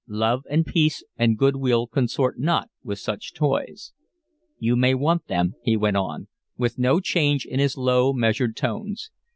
"Love and peace and goodwill consort not with such toys." "You may want them," he went on, with no change in his low, measured tones.